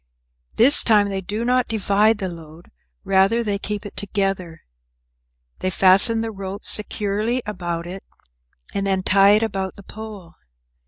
This time they do not divide the load, rather they keep it together. They fasten the rope securely about it, and then tie it about the pole.